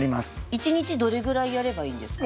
１日どれぐらいやればいいんですか？